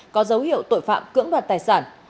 có dấu hiệu tội phạm cưỡng đoạt tài sản